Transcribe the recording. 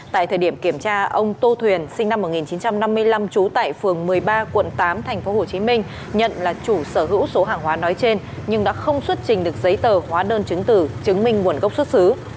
tại thời điểm kiểm tra ông tô thuyền sinh năm một nghìn chín trăm năm mươi năm trú tại phường một mươi ba quận tám tp hcm nhận là chủ sở hữu số hàng hóa nói trên nhưng đã không xuất trình được giấy tờ hóa đơn chứng tử chứng minh nguồn gốc xuất xứ